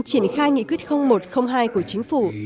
triển khai nghị quyết một trăm linh hai của chính phủ